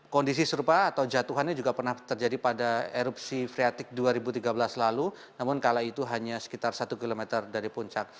kondisi serupa atau jatuhannya juga pernah terjadi pada erupsi freatik dua ribu tiga belas lalu namun kala itu hanya sekitar satu km dari puncak